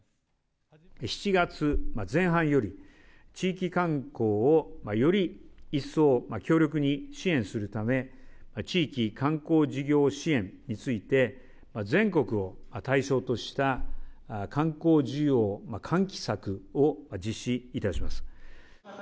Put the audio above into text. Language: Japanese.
７月前半より、地域観光をより一層強力に支援するため、地域観光事業支援について、全国を対象とした観光需要喚起策を実施いたします。